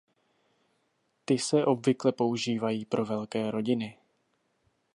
Ty se obvykle používají pro velké rodiny.